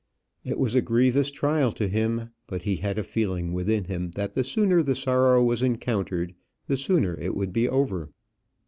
It was a grievous trial to him; but he had a feeling within him that the sooner the sorrow was encountered the sooner it would be over.